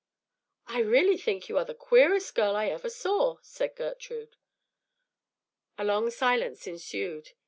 "I really think you are the queerest girl I ever saw," said Gertrude. A long silence ensued.